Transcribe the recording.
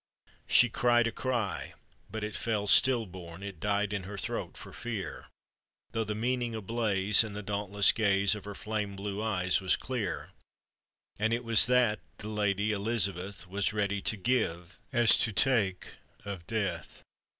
She cried a cry, but it fell still born, It died in her throat for fear, Though the meaning ablaze in the dauntless gaze Of her flame blue eyes was clear; And it was that the Lady Elizabeth Was ready to give as to take of death.